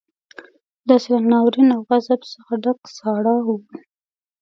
داسې له ناورين او غضب څخه ډک ساړه وو.